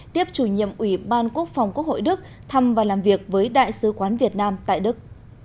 tiếp chủ nhiệm ủy ban quốc phòng quốc hội đức thăm và làm việc với đại sứ quán việt nam tại đức